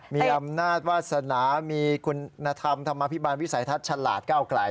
มีอำนาจวาสนามีคุณธรรมธรรมภิบาลวิสัยทัศน์ฉลาดก้าวไกล